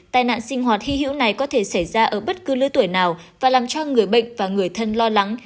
tài nạn sinh hoạt hy hữu này có thể xảy ra ở bất cứ lứa tuổi nào và làm cho người bệnh và người thân lo lắng